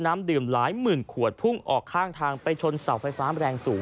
น้ำดื่มหลายหมื่นขวดพุ่งออกข้างทางไปชนเสาไฟฟ้าแรงสูง